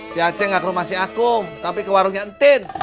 si aceh nggak ke rumah si aku tapi ke warungnya entin